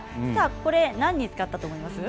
これ何に使ったと思います？